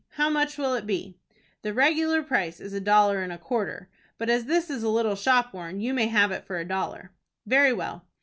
"How much will it be?" "The regular price is a dollar and a quarter, but as this is a little shop worn you may have it for a dollar." "Very well."